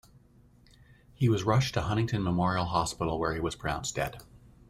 He was rushed to Huntington Memorial Hospital, where he was pronounced dead.